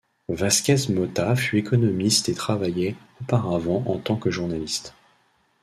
Vázquez Mota fut économiste et travaillait auparavant en tant que journaliste.